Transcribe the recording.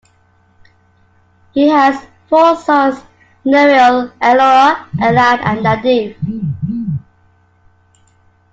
He has four sons, Nuriel, Elior, Ilan and Nadiv.